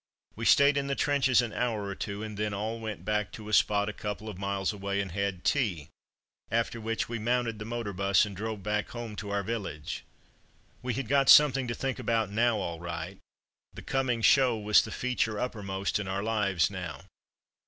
We stayed in the trenches an hour or two, and then all went back to a spot a couple of miles away and had tea, after which we mounted the motor bus and drove back home to our village. We had got something to think about now all right; the coming "show" was the feature uppermost in our lives now.